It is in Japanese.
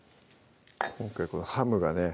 今回このハムがね